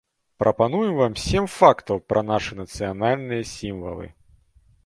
Прапануем вам сем фактаў пра нашы нацыянальныя сімвалы.